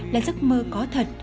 là giấc mơ có thật